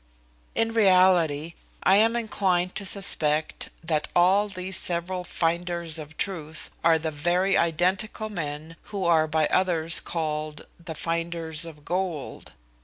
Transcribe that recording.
In reality, I am inclined to suspect, that all these several finders of truth, are the very identical men who are by others called the finders of gold.